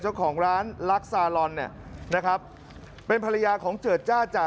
เจ้าของร้านรักสาลอนเป็นภรรยาของเจอร์จ้าจ่า